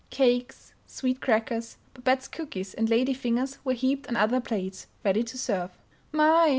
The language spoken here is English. Cakes, sweet crackers, Babette's cookies and lady fingers were heaped on other plates, ready to serve. "My!"